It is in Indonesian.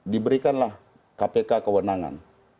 diberikanlah kpk kewenangan